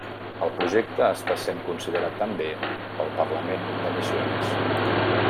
El projecte està sent considerat també pel parlament de Misiones.